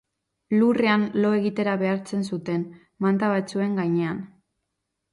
Lurrean lo egitera behartzen zuten, manta batzuen gainean.